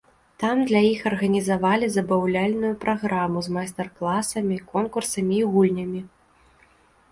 Там для іх арганізавалі забаўляльную праграму з майстар-класамі, конкурсамі і гульнямі.